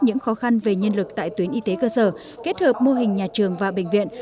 những khó khăn về nhân lực tại tuyến y tế cơ sở kết hợp mô hình nhà trường và bệnh viện